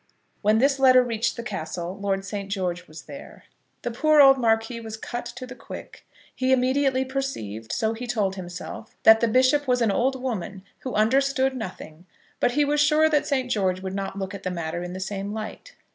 When this letter reached the Castle Lord St. George was there. The poor old Marquis was cut to the quick. He immediately perceived, so he told himself, that the bishop was an old woman, who understood nothing; but he was sure that St. George would not look at the matter in the same light.